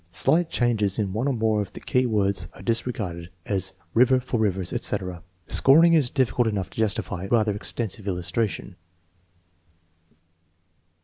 Slight changes in one or more of the key words are dis regarded, as river for rivers, etc. The scoring is difficult enough to justify rather extensive illustration.